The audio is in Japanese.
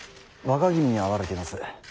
若君に会われています。